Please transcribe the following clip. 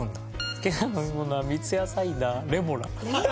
「好きな飲み物は三ツ矢サイダーレモラ」